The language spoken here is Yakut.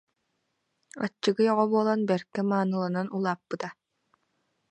Аччыгый оҕо буолан бэркэ мааныланан улаап- пыта